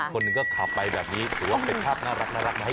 คนนึงก็ขับไปแบบนี้หรือว่าเป็นภาพน่ารักมาให้ดูกัน